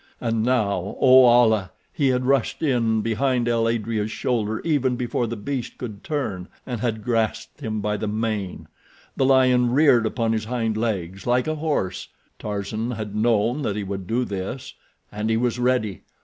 And now, O Allah! He had rushed in behind el adrea's shoulder even before the beast could turn, and had grasped him by the mane. The lion reared upon his hind legs like a horse—Tarzan had known that he would do this, and he was ready.